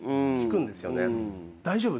「大丈夫？